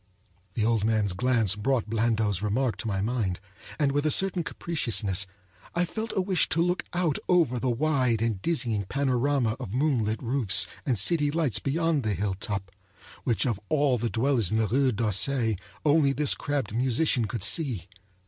The old man's glance brought Blandot's remark to my mind, and with a certain capriciousness I felt a wish to look out over the wide and dizzying panorama of moonlit roofs and city lights beyond the hilltop, which of all the dwellers in the Rue d'Auseil only this crabbed musician could see.